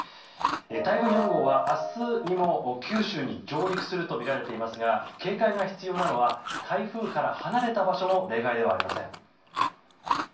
台風４号は明日にも九州に上陸するとみられていますが警戒が必要なのは台風から離れた場所も例外ではありません。